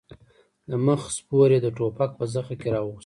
د مخې سپور يې د ټوپک په زخه کې راووست.